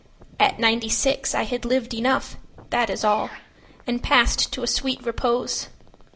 At ninety—six I had lived enough, that is all, And passed to a sweet repose.